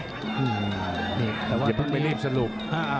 อย่าเพิ่งไปรีบสรุป